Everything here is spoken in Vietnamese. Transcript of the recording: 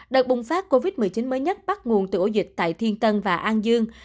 đợt bùng phát covid một mươi chín mới nhất bắt nguồn từ ổ dịch tại thiên tân và an dương